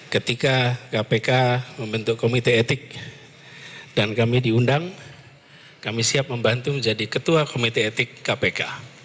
ketika kpk membentuk komite etik dan kami diundang kami siap membantu menjadi ketua komite etik kpk